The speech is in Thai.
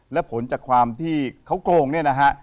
และผลจากความที่เขาโกงเนี่ยนะฮะ